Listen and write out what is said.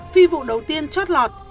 phi vụ đầu tiên chót lọt